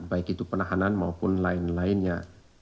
baik itu penahanan maupun lain lainnya